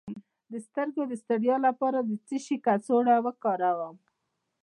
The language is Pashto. د سترګو د ستړیا لپاره د څه شي کڅوړه وکاروم؟